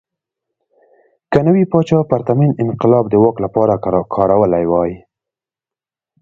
که نوي پاچا پرتمین انقلاب د واک لپاره کارولی وای.